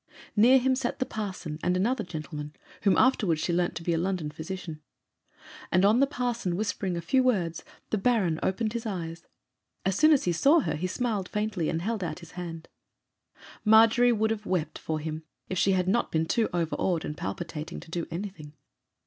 Near him sat the parson and another gentleman, whom she afterwards learnt to be a London physician; and on the parson whispering a few words the Baron opened his eyes. As soon as he saw her he smiled faintly, and held out his hand. Margery would have wept for him, if she had not been too overawed and palpitating to do anything.